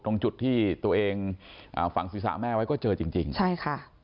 ตรงจุดที่ตัวเองอ่าฝังศีรษะแม่ไว้ก็เจอจริงจริงใช่ค่ะ